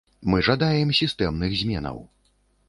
Мы жадаем сістэмных зменаў.